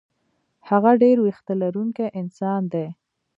هغه ډېر وېښته لرونکی انسان دی.